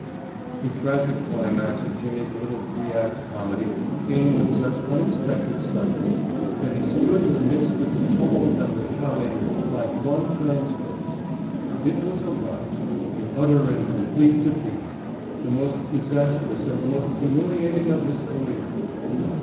The tragic climax of Jimmy's little three act comedy came with such unexpected suddenness that he stood in the midst of the tumult and the shouting like one transfixed. It was a rout, an utter and complete defeat, the most disastrous and the most humiliating of his career.